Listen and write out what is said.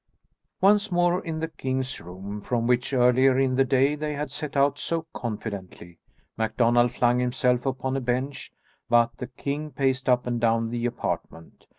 Once more in the king's room, from which, earlier in the day they had set out so confidently, MacDonald flung himself upon a bench, but the king paced up and down the apartment.